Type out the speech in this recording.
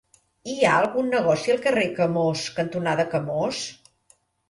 Hi ha algun negoci al carrer Camós cantonada Camós?